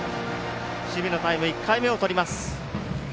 守備のタイム１回目を取ります。